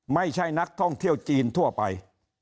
ไม่ใช่นักท่องเที่ยวจีนทั่วไป